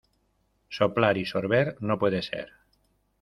Soplar y sorber, no puede ser.